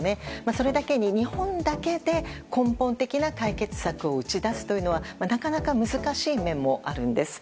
それだけに、日本だけで根本的な解決策を打ち出すのはなかなか難しい面もあるんです。